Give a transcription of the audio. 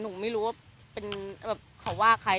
หนูไม่รู้ว่าเป็นแบบเขาว่าใคร